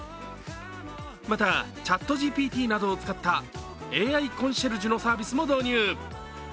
また、ＣｈａｔＧＰＴなどを使ったＡＩコンシェルジュのサービスも導入。